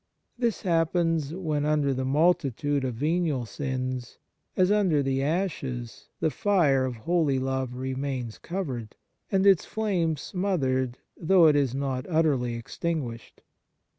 This happens when under the multitude of venial sins, as under the ashes, the fire of holy love remains covered, and its flame smothered though it is not utterly extinguished."